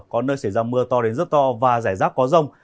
có nơi xảy ra mưa to đến rất to và rải rác có rông